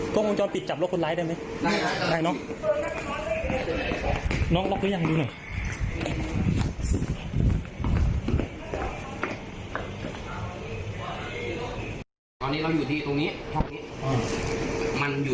ตอนนี้เราอยู่ที่ตรงนี้มันอยู่ตรงนี้